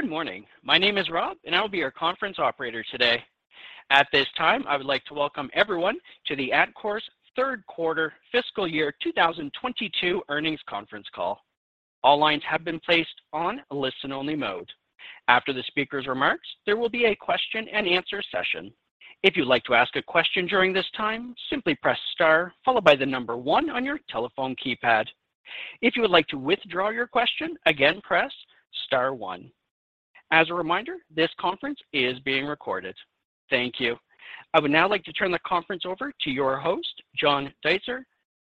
Good morning. My name is Rob, and I will be your conference operator today. At this time, I would like to welcome everyone to the Atkore's third quarter fiscal year 2022 earnings conference call. All lines have been placed on listen-only mode. After the speaker's remarks, there will be a question-and-answer session. If you'd like to ask a question during this time, simply press Star followed by the number one on your telephone keypad. If you would like to withdraw your question, again, press Star one. As a reminder, this conference is being recorded. Thank you. I would now like to turn the conference over to your host, John Deitzer,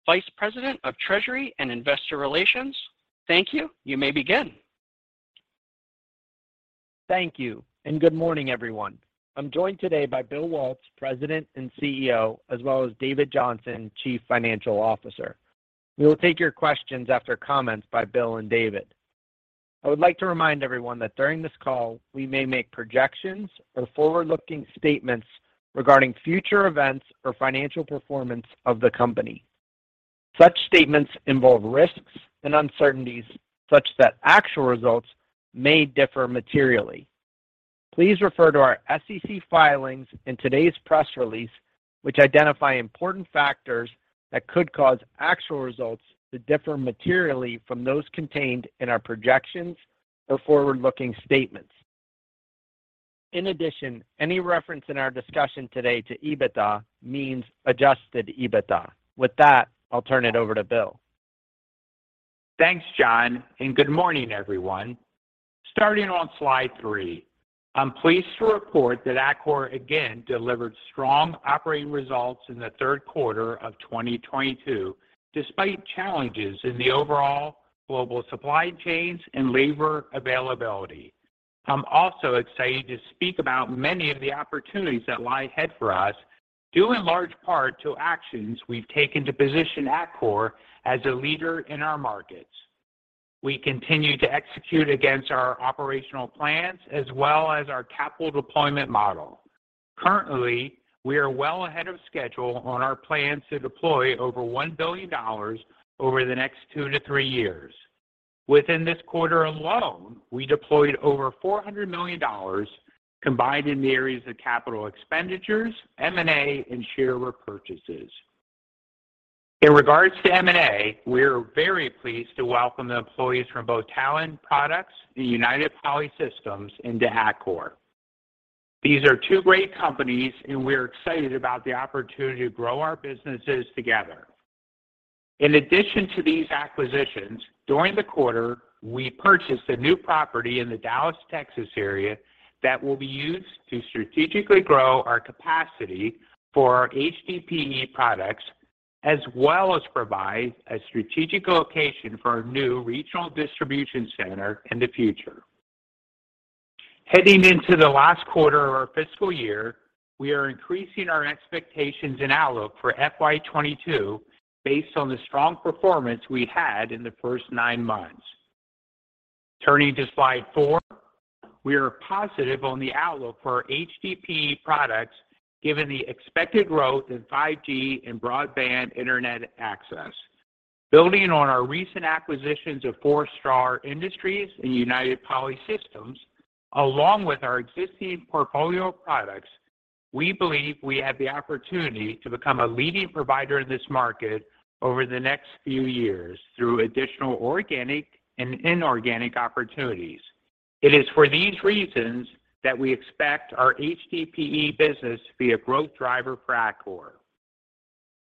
Vice President of Treasury and Investor Relations. Thank you. You may begin. Thank you. Good morning, everyone. I'm joined today by Bill Waltz, President and CEO, as well as David Johnson, Chief Financial Officer. We will take your questions after comments by Bill and David. I would like to remind everyone that during this call, we may make projections or forward-looking statements regarding future events or financial performance of the company. Such statements involve risks and uncertainties such that actual results may differ materially. Please refer to our SEC filings in today's press release, which identify important factors that could cause actual results to differ materially from those contained in our projections or forward-looking statements. In addition, any reference in our discussion today to EBITDA means adjusted EBITDA. With that, I'll turn it over to Bill. Thanks, John, and good morning, everyone. Starting on slide 3, I'm pleased to report that Atkore again delivered strong operating results in the third quarter of 2022, despite challenges in the overall global supply chains and labor availability. I'm also excited to speak about many of the opportunities that lie ahead for us, due in large part to actions we've taken to position Atkore as a leader in our markets. We continue to execute against our operational plans as well as our capital deployment model. Currently, we are well ahead of schedule on our plans to deploy over $1 billion over the next 2 to 3 years. Within this quarter alone, we deployed over $400 million combined in the areas of capital expenditures, M&A, and share repurchases. In regards to M&A, we're very pleased to welcome the employees from both Talon Products and United Poly Systems into Atkore. These are two great companies, and we're excited about the opportunity to grow our businesses together. In addition to these acquisitions, during the quarter, we purchased a new property in the Dallas, Texas area that will be used to strategically grow our capacity for our HDPE products, as well as provide a strategic location for our new regional distribution center in the future. Heading into the last quarter of our fiscal year, we are increasing our expectations and outlook for FY 2022 based on the strong performance we had in the first nine months. Turning to slide 4, we are positive on the outlook for HDPE products given the expected growth in 5G and broadband internet access. Building on our recent acquisitions of Four Star Industries and United Poly Systems, along with our existing portfolio of products, we believe we have the opportunity to become a leading provider in this market over the next few years through additional organic and inorganic opportunities. It is for these reasons that we expect our HDPE business to be a growth driver for Atkore.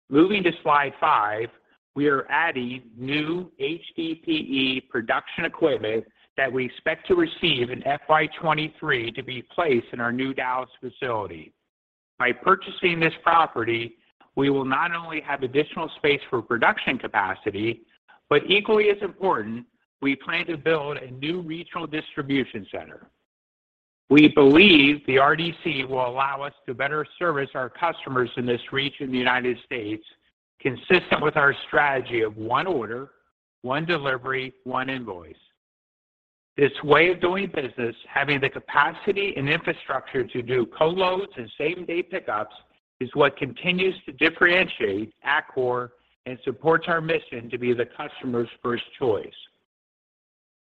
Moving to slide 5, we are adding new HDPE production equipment that we expect to receive in FY 2023 to be placed in our new Dallas facility. By purchasing this property, we will not only have additional space for production capacity, but equally as important, we plan to build a new regional distribution center. We believe the RDC will allow us to better service our customers in this region of the United States, consistent with our strategy of one order, one delivery, one invoice. This way of doing business, having the capacity and infrastructure to do co-loads and same-day pickups, is what continues to differentiate Atkore and supports our mission to be the customer's first choice.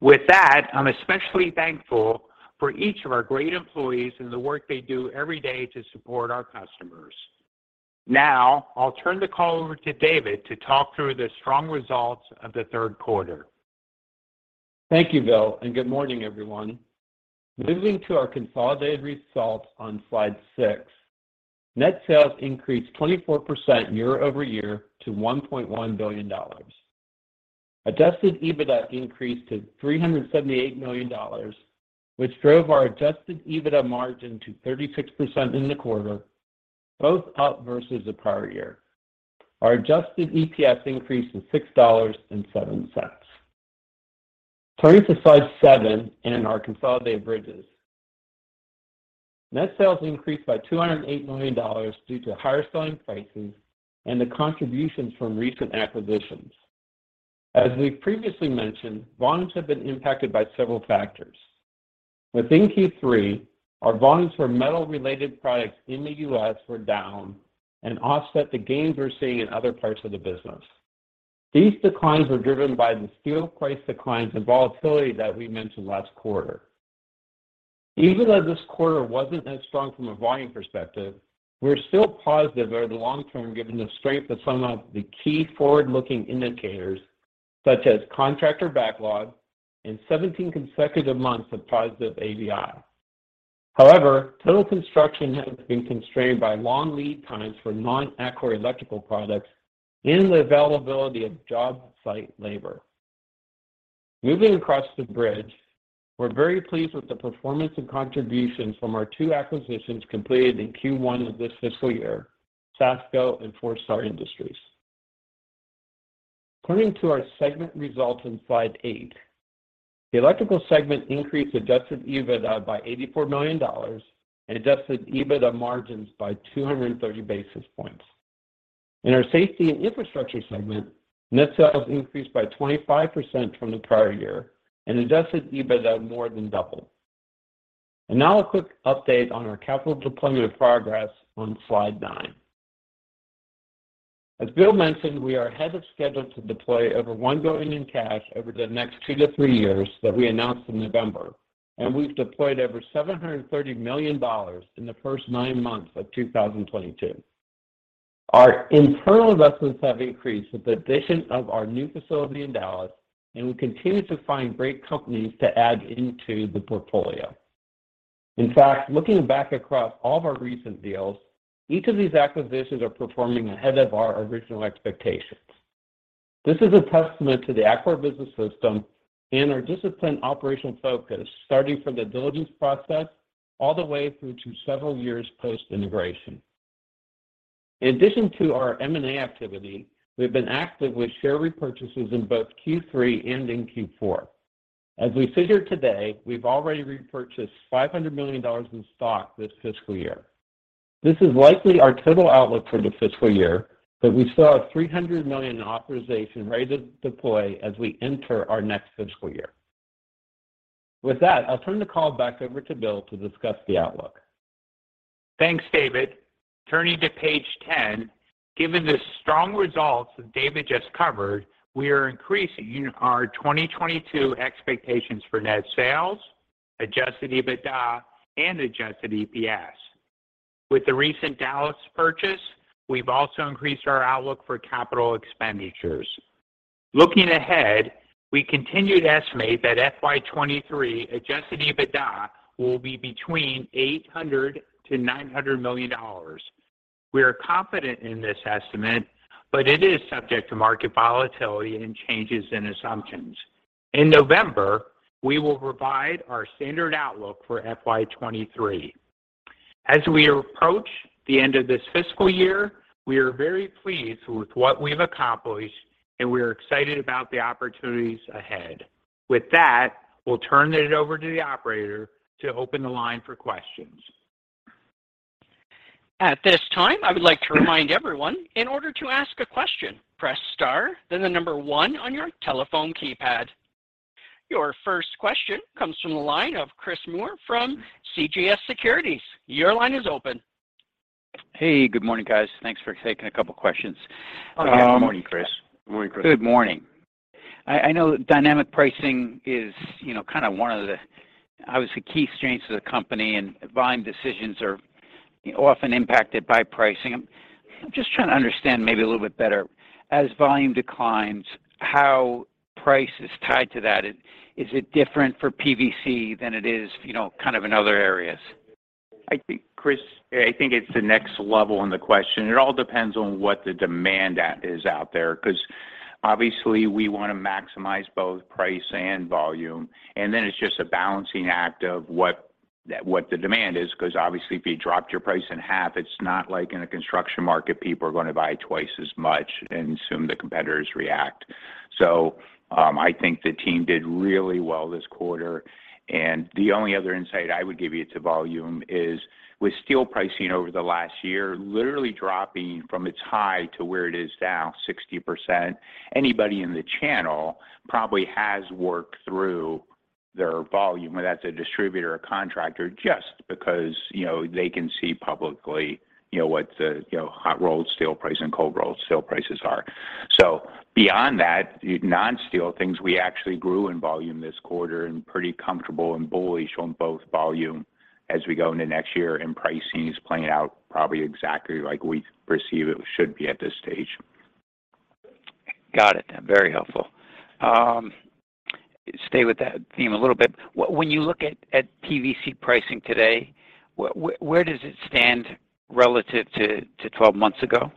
With that, I'm especially thankful for each of our great employees and the work they do every day to support our customers. Now, I'll turn the call over to David to talk through the strong results of the third quarter. Thank you, Bill, and good morning, everyone. Moving to our consolidated results on slide 6. Net sales increased 24% year-over-year to $1.1 billion. Adjusted EBITDA increased to $378 million, which drove our adjusted EBITDA margin to 36% in the quarter, both up versus the prior year. Our adjusted EPS increased to $6.07. Turning to slide 7 and our consolidated bridges. Net sales increased by $208 million due to higher selling prices and the contributions from recent acquisitions. As we've previously mentioned, volumes have been impacted by several factors. Within Q3, our volumes for metal-related products in the U.S. were down and offset the gains we're seeing in other parts of the business. These declines were driven by the steel price declines and volatility that we mentioned last quarter. Even though this quarter wasn't as strong from a volume perspective, we're still positive over the long term given the strength of some of the key forward-looking indicators, such as contractor backlog and 17 consecutive months of positive ABI. However, total construction has been constrained by long lead times for non-residential electrical products and the availability of job site labor. Moving across the bridge, we're very pleased with the performance and contribution from our two acquisitions completed in Q1 of this fiscal year, Sasco and Four Star Industries. Turning to our segment results on slide 8, the Electrical segment increased Adjusted EBITDA by $84 million and Adjusted EBITDA margins by 230 basis points. In our Safety and Infrastructure segment, net sales increased by 25% from the prior year, and Adjusted EBITDA more than doubled. Now a quick update on our capital deployment progress on slide 9. As Bill mentioned, we are ahead of schedule to deploy over $1 billion in cash over the next 2-3 years that we announced in November, and we've deployed over $730 million in the first 9 months of 2022. Our internal investments have increased with the addition of our new facility in Dallas, and we continue to find great companies to add into the portfolio. In fact, looking back across all of our recent deals, each of these acquisitions are performing ahead of our original expectations. This is a testament to the Atkore Business System and our disciplined operational focus, starting from the diligence process all the way through to several years post-integration. In addition to our M&A activity, we've been active with share repurchases in both Q3 and in Q4. As we sit here today, we've already repurchased $500 million in stock this fiscal year. This is likely our total outlook for the fiscal year, but we still have $300 million in authorization ready to deploy as we enter our next fiscal year. With that, I'll turn the call back over to Bill to discuss the outlook. Thanks, David. Turning to page 10, given the strong results that David just covered, we are increasing our 2022 expectations for net sales, Adjusted EBITDA and Adjusted EPS. With the recent Dallas purchase, we've also increased our outlook for capital expenditures. Looking ahead, we continue to estimate that FY 2023 Adjusted EBITDA will be between $800 million-$900 million. We are confident in this estimate, but it is subject to market volatility and changes in assumptions. In November, we will provide our standard outlook for FY 2023. As we approach the end of this fiscal year, we are very pleased with what we've accomplished, and we are excited about the opportunities ahead. With that, we'll turn it over to the operator to open the line for questions. At this time, I would like to remind everyone, in order to ask a question, press star, then the number one on your telephone keypad. Your first question comes from the line of Chris Moore from CJS Securities. Your line is open. Hey, good morning, guys. Thanks for taking a couple questions. Good morning, Chris. Morning, Chris. Good morning. I know dynamic pricing is, you know, kind of one of the, obviously, key strengths of the company, and volume decisions are, you know, often impacted by pricing. I'm just trying to understand maybe a little bit better, as volume declines, how price is tied to that. Is it different for PVC than it is, you know, kind of in other areas? I think, Chris, it's the next level in the question. It all depends on what the demand is out there 'cause obviously, we wanna maximize both price and volume. It's just a balancing act of what the demand is 'cause obviously, if you dropped your price in half, it's not like in a construction market, people are gonna buy twice as much and assume the competitors react. I think the team did really well this quarter. The only other insight I would give you to volume is with steel pricing over the last year literally dropping from its high to where it is now, 60%, anybody in the channel probably has worked through their volume, whether that's a distributor or contractor, just because, you know, they can see publicly, you know, what the, you know, hot rolled steel price and cold rolled steel prices are. Beyond that, non-steel things, we actually grew in volume this quarter and pretty comfortable and bullish on both volume as we go into next year, and pricing is playing out probably exactly like we perceive it should be at this stage. Got it. Very helpful. Stay with that theme a little bit. When you look at PVC pricing today, where does it stand relative to 12 months ago?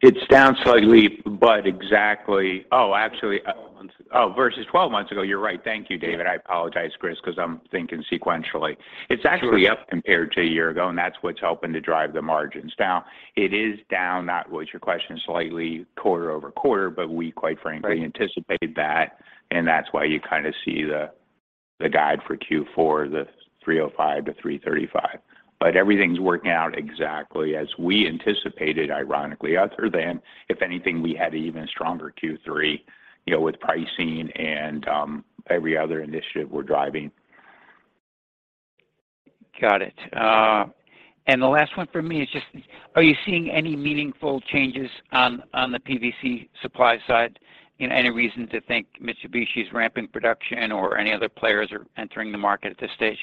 It's down slightly, but exactly. Oh, actually, 12 months ago. Oh, versus twelve months ago. You're right. Thank you, David. I apologize, Chris, 'cause I'm thinking sequentially. It's actually up compared to a year ago, and that's what's helping to drive the margins. Now, it is down, that was your question, slightly quarter over quarter, but we quite frankly anticipated that, and that's why you kinda see the guide for Q4, the $305 million-$335 million. Everything's working out exactly as we anticipated, ironically, other than, if anything, we had an even stronger Q3, you know, with pricing and every other initiative we're driving. Got it. The last one for me is just are you seeing any meaningful changes on the PVC supply side? You know, any reason to think Mitsubishi is ramping production or any other players are entering the market at this stage?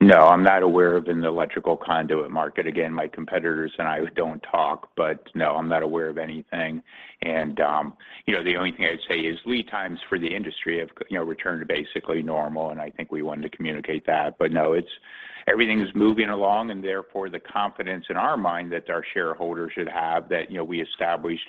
No, I'm not aware of in the electrical conduit market. Again, my competitors and I don't talk, but no, I'm not aware of anything. You know, the only thing I'd say is lead times for the industry have, you know, returned to basically normal, and I think we wanted to communicate that. No, it's everything's moving along, and therefore the confidence in our mind that our shareholders should have that, you know, we established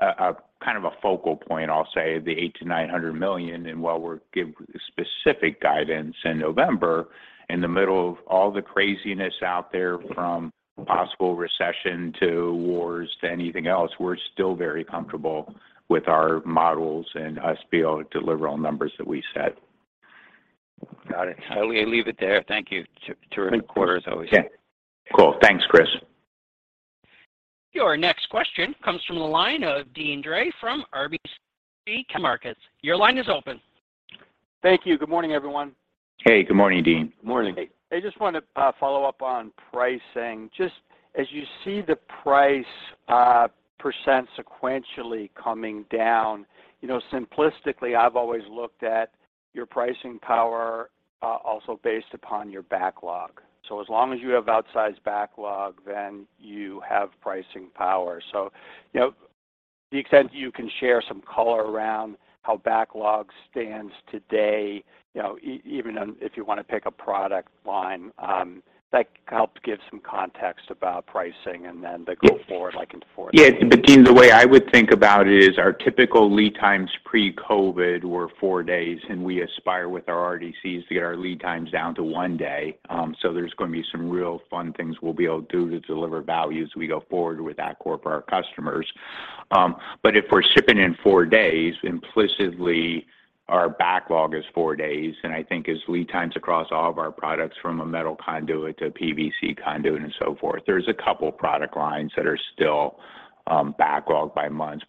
a kind of focal point, I'll say, the $800 million-$900 million. While we'll give specific guidance in November, in the middle of all the craziness out there, from possible recession to wars to anything else, we're still very comfortable with our models and us being able to deliver on numbers that we set. Got it. I will leave it there. Thank you. Terrific quarter as always. Yeah. Cool. Thanks, Chris. Your next question comes from the line of Deane Dray from RBC Capital Markets. Your line is open. Thank you. Good morning, everyone. Hey, good morning, Deane. Morning. I just wanted to follow up on pricing. Just as you see the price percent sequentially coming down, you know, simplistically, I've always looked at your pricing power also based upon your backlog. As long as you have outsized backlog, then you have pricing power. To the extent you can share some color around how backlog stands today, you know, even if you want to pick a product line, that helps give some context about pricing and then the go forward, like in fourth- Yeah. Deane, the way I would think about it is our typical lead times pre-COVID were four days, and we aspire with our RDCs to get our lead times down to one day. There's going to be some real fun things we'll be able to do to deliver value as we go forward with Atkore for our customers. If we're shipping in four days, implicitly our backlog is four days. I think as lead times across all of our products from a metal conduit to a PVC conduit and so forth, there's a couple product lines that are still backlogged by months.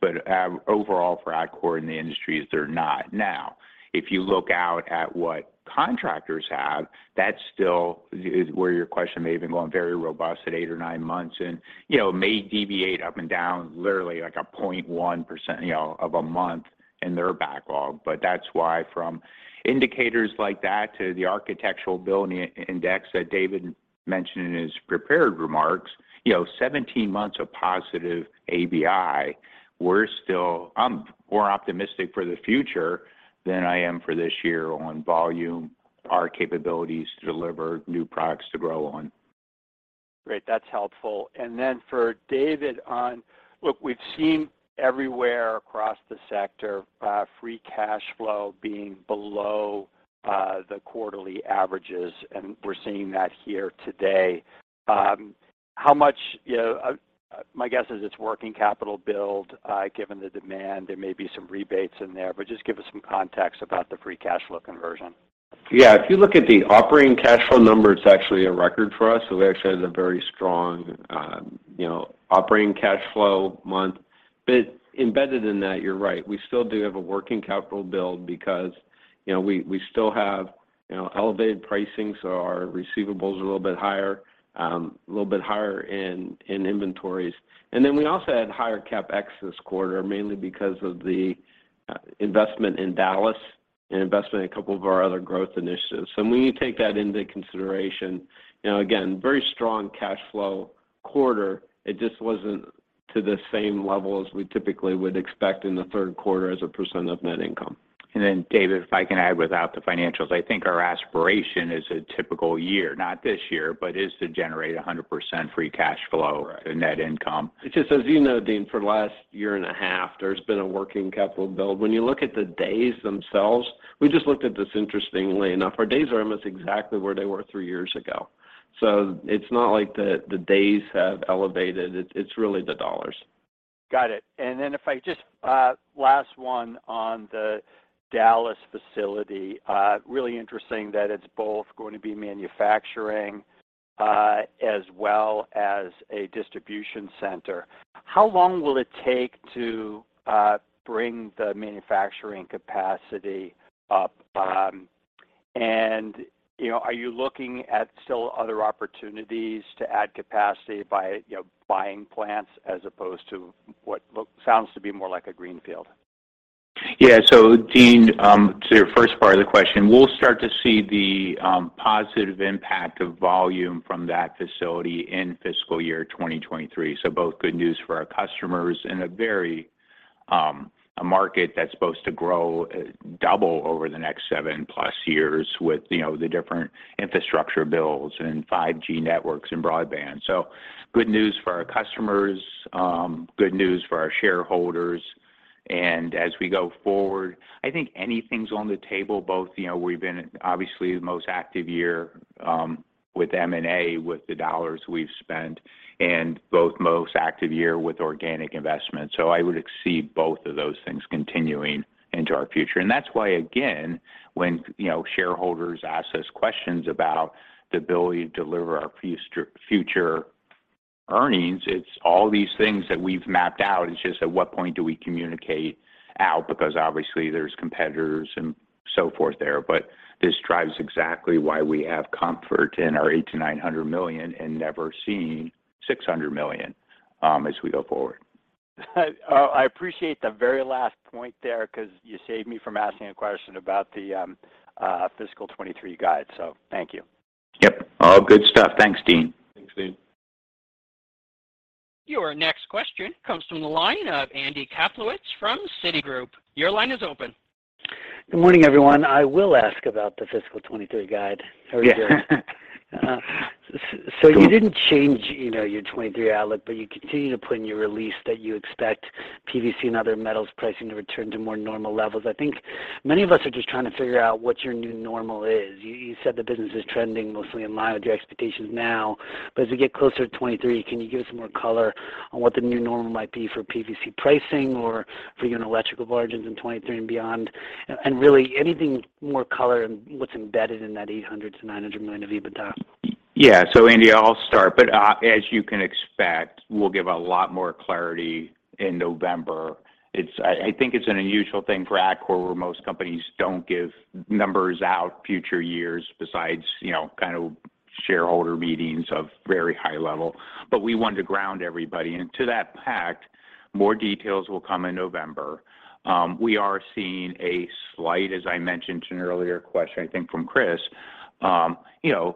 Overall for Atkore in the industries, they're not. Now, if you look out at what contractors have, that still is where your question may have been going, very robust at 8 or 9 months and, you know, may deviate up and down literally like 0.1%, you know, of a month in their backlog. But that's why from indicators like that to the Architectural Billings Index that David mentioned in his prepared remarks, you know, 17 months of positive ABI, we're still. I'm more optimistic for the future than I am for this year on volume, our capabilities to deliver new products to grow on. Great. That's helpful. Look, we've seen everywhere across the sector, free cash flow being below the quarterly averages, and we're seeing that here today. How much, you know, my guess is it's working capital build given the demand. There may be some rebates in there, but just give us some context about the free cash flow conversion. Yeah. If you look at the operating cash flow number, it's actually a record for us. We actually had a very strong, you know, operating cash flow month. Embedded in that, you're right. We still do have a working capital build because, you know, we still have, you know, elevated pricing, so our receivables are a little bit higher, a little bit higher in inventories. We also had higher CapEx this quarter, mainly because of the investment in Dallas and investment in a couple of our other growth initiatives. When you take that into consideration, you know, again, very strong cash flow quarter. It just wasn't to the same level as we typically would expect in the third quarter as a percent of net income. David, if I can add without the financials, I think our aspiration is a typical year, not this year, but is to generate 100% free cash flow. Right to net income. Just as you know, Deane, for the last year and a half, there's been a working capital build. When you look at the days themselves, we just looked at this interestingly enough. Our days are almost exactly where they were three years ago. It's not like the days have elevated. It's really the dollars. Got it. If I just last one on the Dallas facility. Really interesting that it's both going to be manufacturing, as well as a distribution center. How long will it take to bring the manufacturing capacity up? You know, are you looking at still other opportunities to add capacity by, you know, buying plants as opposed to what sounds to be more like a greenfield? Yeah. Deane, to your first part of the question, we'll start to see the positive impact of volume from that facility in fiscal year 2023. Both good news for our customers in a very attractive market that's supposed to double over the next 7+ years with, you know, the different infrastructure bills and 5G networks and broadband. Good news for our customers, good news for our shareholders. As we go forward, I think anything's on the table. Both, you know, we've been obviously the most active year with M&A, the dollars we've spent and the most active year with organic investment. I would expect both of those things continuing into our future. That's why, again, when, you know, shareholders ask us questions about the ability to deliver our future earnings, it's all these things that we've mapped out. It's just at what point do we communicate out, because obviously there's competitors and so forth there. This drives exactly why we have comfort in our $800 million-$900 million and never seeing $600 million, as we go forward. I appreciate the very last point there, 'cause you saved me from asking a question about the fiscal 23 guide. Thank you. Yep. All good stuff. Thanks, Deane. Thanks, Deane. Your next question comes from the line of Andy Kaplowitz from Citigroup. Your line is open. Good morning, everyone. I will ask about the fiscal 2023 guide. How are you doing? Cool. You didn't change, you know, your 2023 outlook, but you continue to put in your release that you expect PVC and other metals pricing to return to more normal levels. I think many of us are just trying to figure out what your new normal is. You said the business is trending mostly in line with your expectations now, but as we get closer to 2023, can you give us some more color on what the new normal might be for PVC pricing or for your electrical margins in 2023 and beyond? And really anything more color in what's embedded in that $800-$900 million of EBITDA? Yeah. Andy, I'll start. As you can expect, we'll give a lot more clarity in November. I think it's an unusual thing for Atkore where most companies don't give numbers out future years besides, you know, kind of shareholder meetings of very high level. We wanted to ground everybody. To that point, more details will come in November. We are seeing a slight, as I mentioned in an earlier question, I think from Chris, you know,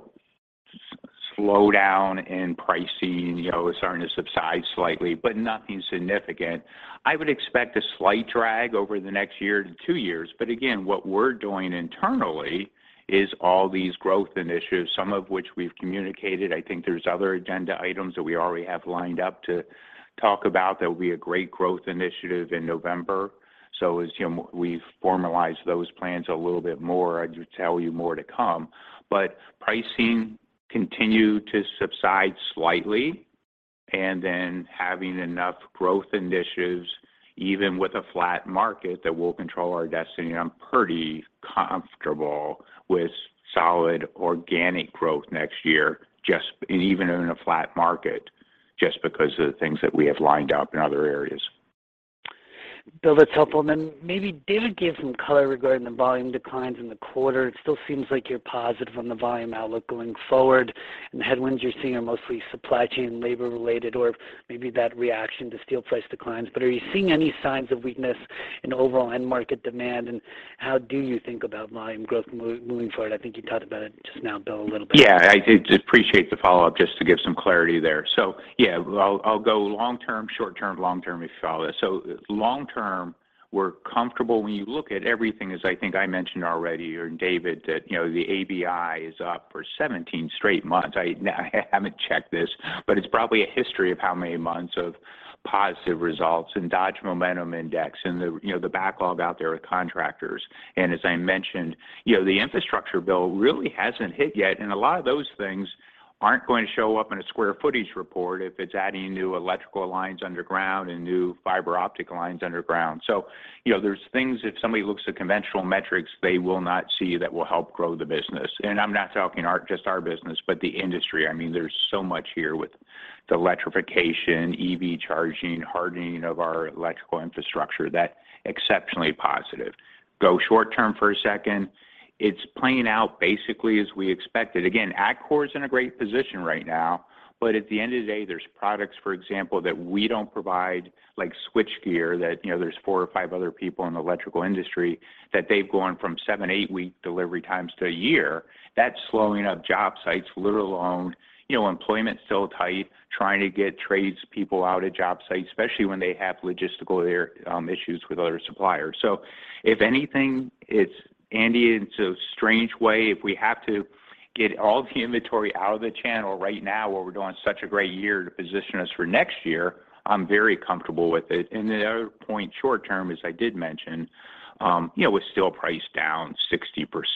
slowdown in pricing, you know, it's starting to subside slightly, but nothing significant. I would expect a slight drag over the next year to 2 years. Again, what we're doing internally is all these growth initiatives, some of which we've communicated. I think there's other agenda items that we already have lined up to talk about that will be a great growth initiative in November. As you know, we formalize those plans a little bit more, I can tell you more to come. Pricing continue to subside slightly, and then having enough growth initiatives, even with a flat market, that will control our destiny. I'm pretty comfortable with solid organic growth next year, just even in a flat market, just because of the things that we have lined up in other areas. Bill, that's helpful. Then maybe David gave some color regarding the volume declines in the quarter. It still seems like you're positive on the volume outlook going forward, and the headwinds you're seeing are mostly supply chain, labor related, or maybe that reaction to steel price declines. Are you seeing any signs of weakness in overall end market demand, and how do you think about volume growth moving forward? I think you talked about it just now, Bill, a little bit. Yeah. I appreciate the follow-up just to give some clarity there. Yeah, I'll go long term, short term, long term if you follow this. Long term, we're comfortable. When you look at everything, as I think I mentioned already or David, that, you know, the ABI is up for 17 straight months. I haven't checked this, but it's probably a history of how many months of positive results and Dodge Momentum Index and the, you know, the backlog out there with contractors. As I mentioned, you know, the infrastructure bill really hasn't hit yet, and a lot of those things aren't going to show up in a square footage report if it's adding new electrical lines underground and new fiber optic lines underground. You know, there's things if somebody looks at conventional metrics, they will not see that will help grow the business. I'm not talking just our business, but the industry. I mean, there's so much here with the electrification, EV charging, hardening of our electrical infrastructure that's exceptionally positive. Go short term for a second. It's playing out basically as we expected. Again, Atkore is in a great position right now, but at the end of the day, there's products, for example, that we don't provide, like switchgear, that, you know, there's 4 or 5 other people in the electrical industry that they've gone from 7- or 8-week delivery times to a year. That's slowing up job sites, let alone, you know, employment's still tight, trying to get tradespeople out at job sites, especially when they have logistical issues with other suppliers. If anything, it's Andy, it's a strange way. If we have to get all the inventory out of the channel right now where we're doing such a great year to position us for next year, I'm very comfortable with it. The other point short term, as I did mention, you know, with steel price down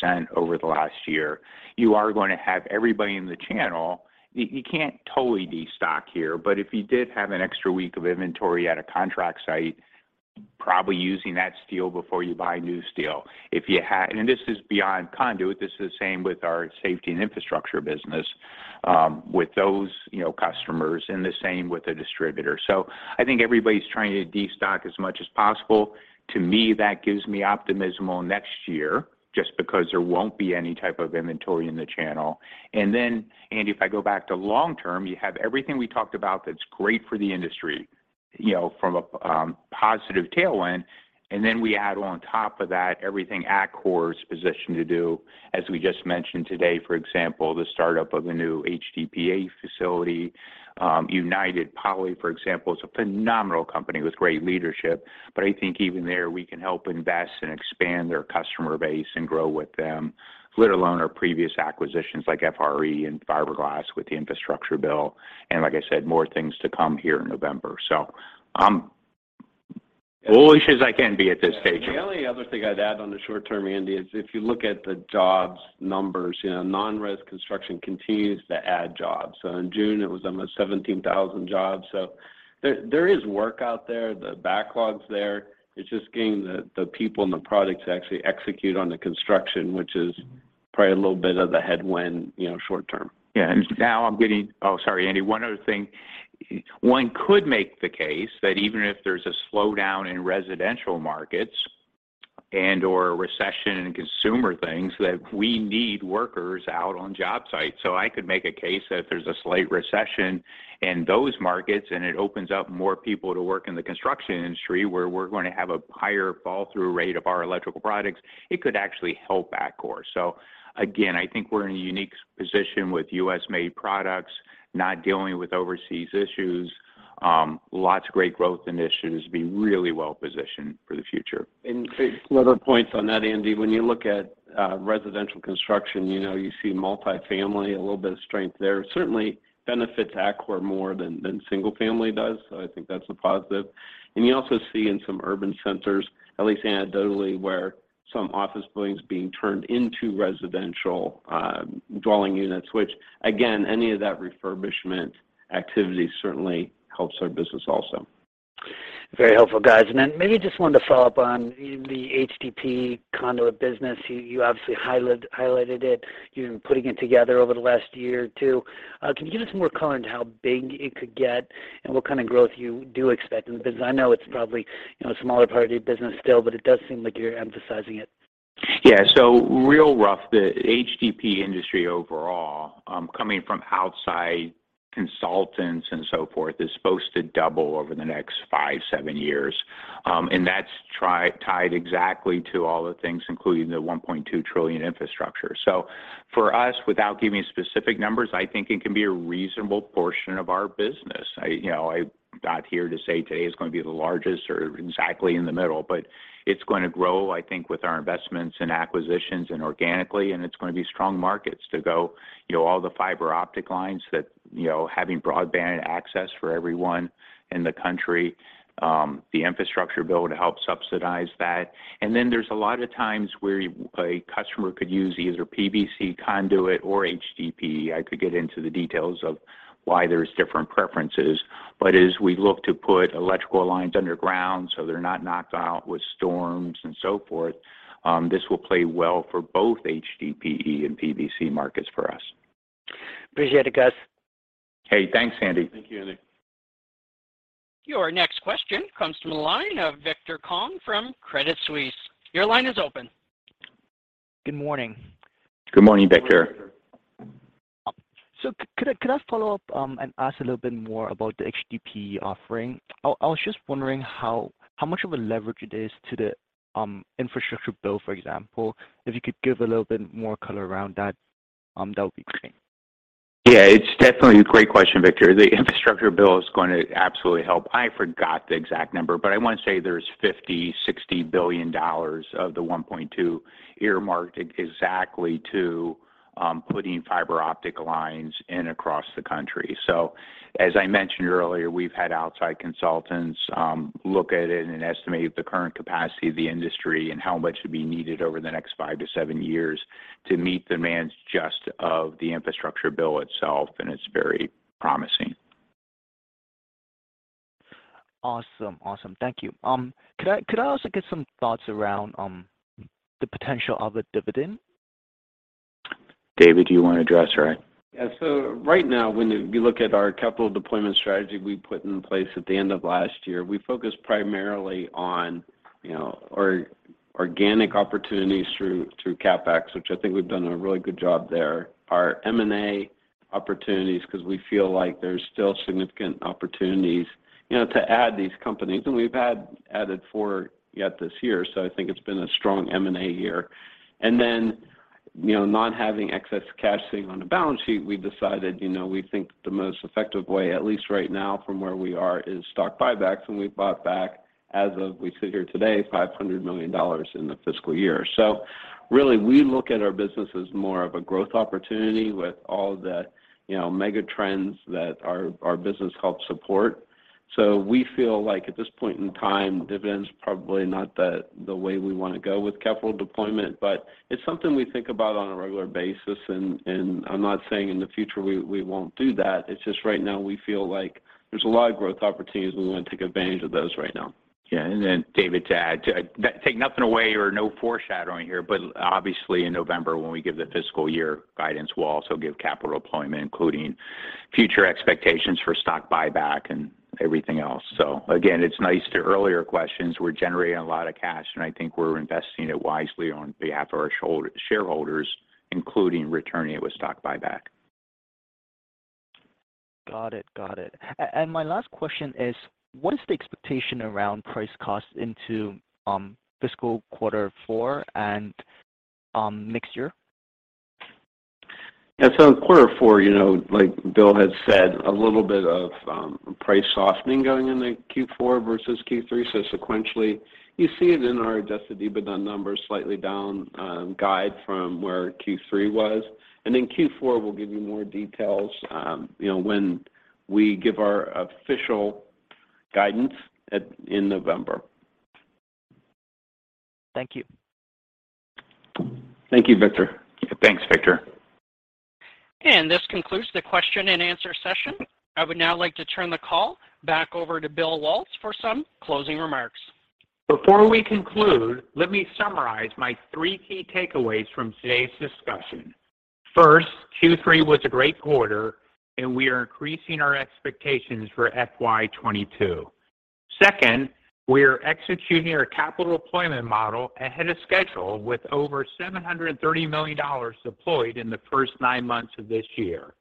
60% over the last year, you are going to have everybody in the channel. You can't totally destock here, but if you did have an extra week of inventory at a contract site, probably using that steel before you buy new steel. And this is beyond conduit. This is the same with our Safety and Infrastructure business, with those, you know, customers and the same with the distributor. I think everybody's trying to destock as much as possible. To me, that gives me optimism on next year just because there won't be any type of inventory in the channel. Then, Andy, if I go back to long term, you have everything we talked about that's great for the industry, you know, from a positive tailwind, and then we add on top of that everything Atkore is positioned to do. As we just mentioned today, for example, the startup of the new HDPE facility. United Poly, for example, is a phenomenal company with great leadership, but I think even there we can help invest and expand their customer base and grow with them, let alone our previous acquisitions like FRE and Fiberglass with the infrastructure bill. Like I said, more things to come here in November. I'm bullish as I can be at this stage. The only other thing I'd add on the short term, Andy, is if you look at the jobs numbers, you know, non-res construction continues to add jobs. In June it was almost 17,000 jobs. There is work out there. The backlog's there. It's just getting the people and the products to actually execute on the construction, which is probably a little bit of the headwind, you know, short term. Yeah. Oh, sorry, Andy. One other thing. One could make the case that even if there's a slowdown in residential markets and/or a recession in consumer things, that we need workers out on job sites. I could make a case that if there's a slight recession in those markets and it opens up more people to work in the construction industry, where we're gonna have a higher pass-through rate of our electrical products, it could actually help Atkore. Again, I think we're in a unique position with U.S.-made products, not dealing with overseas issues, lots of great growth initiatives, being really well-positioned for the future. Just a couple other points on that, Andy. When you look at residential construction, you know, you see multi-family, a little bit of strength there. Certainly benefits Atkore more than single-family does, so I think that's a positive. You also see in some urban centers, at least anecdotally, where some office buildings being turned into residential dwelling units, which again, any of that refurbishment activity certainly helps our business also. Very helpful, guys. Maybe just wanted to follow up on the HDPE conduit business. You obviously highlighted it. You've been putting it together over the last year or two. Can you give us more color into how big it could get and what kind of growth you do expect in the business? I know it's probably, you know, a smaller part of your business still, but it does seem like you're emphasizing it. Yeah. Real rough, the HDPE industry overall, coming from outside consultants and so forth, is supposed to double over the next five, seven years. That's tied exactly to all the things, including the $1.2 trillion infrastructure. For us, without giving specific numbers, I think it can be a reasonable portion of our business. You know, I'm not here to say today it's gonna be the largest or exactly in the middle, but it's going to grow, I think, with our investments and acquisitions and organically, and it's gonna be strong markets to go. You know, all the fiber optic lines that, you know, having broadband access for everyone in the country, the infrastructure bill to help subsidize that. There's a lot of times where a customer could use either PVC conduit or HDPE. I could get into the details of why there's different preferences, but as we look to put electrical lines underground so they're not knocked out with storms and so forth, this will play well for both HDPE and PVC markets for us. Appreciate it, guys. Hey, thanks, Andy. Thank you, Andy. Your next question comes from the line of Victor Kang from Credit Suisse. Your line is open. Good morning. Good morning, Victor. Could I follow up and ask a little bit more about the HDPE offering? I was just wondering how much of a leverage it is to the infrastructure bill, for example. If you could give a little bit more color around that would be great. Yeah, it's definitely a great question, Victor. The infrastructure bill is going to absolutely help. I forgot the exact number, but I want to say there's $50 billion-$60 billion of the $1.2 trillion earmarked exactly to putting fiber optic lines in across the country. As I mentioned earlier, we've had outside consultants look at it and estimate the current capacity of the industry and how much would be needed over the next 5-7 years to meet demands just of the infrastructure bill itself, and it's very promising. Awesome. Thank you. Could I also get some thoughts around the potential of a dividend? David, do you wanna address or I? Yeah. Right now, when you look at our capital deployment strategy we put in place at the end of last year, we focused primarily on, you know, organic opportunities through CapEx, which I think we've done a really good job there. Our M&A opportunities, 'cause we feel like there's still significant opportunities, you know, to add these companies, and we've had added four yet this year. I think it's been a strong M&A year. Then, you know, not having excess cash sitting on the balance sheet, we decided, you know, we think the most effective way, at least right now from where we are, is stock buybacks. We've bought back, as of we sit here today, $500 million in the fiscal year. Really, we look at our business as more of a growth opportunity with all the, you know, mega trends that our business helps support. We feel like at this point in time, dividend's probably not the way we wanna go with capital deployment. It's something we think about on a regular basis and I'm not saying in the future we won't do that. It's just right now we feel like there's a lot of growth opportunities, and we wanna take advantage of those right now. Yeah. Then David Johnson to add to that, take nothing away or no foreshadowing here, but obviously in November when we give the fiscal year guidance, we'll also give capital deployment, including future expectations for stock buyback and everything else. Again, in response to earlier questions, we're generating a lot of cash, and I think we're investing it wisely on behalf of our shareholders, including returning it with stock buyback. Got it. My last question is, what is the expectation around price cost into fiscal quarter four and next year? Yeah. Quarter four, you know, like Bill had said, a little bit of price softening going into Q4 versus Q3. Sequentially, you see it in our Adjusted EBITDA numbers slightly down, guide from where Q3 was. Q4, we'll give you more details, you know, when we give our official guidance in November. Thank you. Thank you, Victor. Yeah. Thanks, Victor. This concludes the question and answer session. I would now like to turn the call back over to Bill Waltz for some closing remarks. Before we conclude, let me summarize my three key takeaways from today's discussion. First, Q3 was a great quarter, and we are increasing our expectations for FY22. Second, we are executing our capital deployment model ahead of schedule with over $730 million deployed in the first nine months of this year.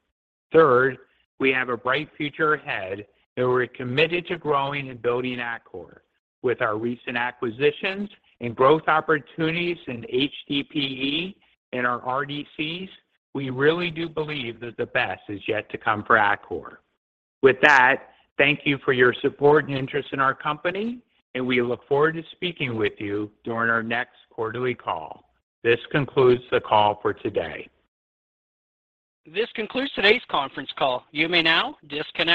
Third, we have a bright future ahead, and we're committed to growing and building Atkore. With our recent acquisitions and growth opportunities in HDPE and our RDCs, we really do believe that the best is yet to come for Atkore. With that, thank you for your support and interest in our company, and we look forward to speaking with you during our next quarterly call. This concludes the call for today. This concludes today's conference call. You may now disconnect.